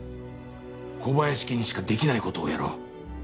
小林家にしかできないことをやろう。